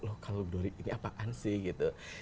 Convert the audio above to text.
local glory ini apaan sih gitu